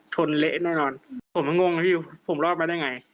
เละแน่นอนผมก็งงนะพี่ผมรอดมาได้ไง